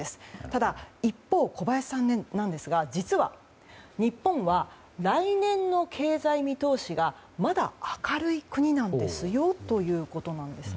ただ、一方小林さんなんですが実は日本は来年の経済見通しがまだ明るい国なんですよということです。